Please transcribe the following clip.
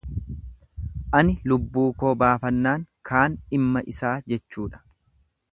Ani lubbuu koo baafannaan kaan dhimma isaa jechuudha.